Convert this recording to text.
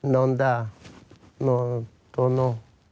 นอนตาก็ไม่รู้